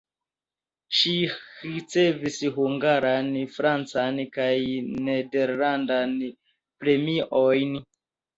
Ŝi ricevis hungaran, francan kaj nederlandan premiojn.